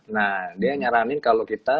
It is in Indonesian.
nah dia nyaranin kalau kita